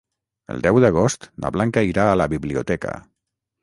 El deu d'agost na Blanca irà a la biblioteca.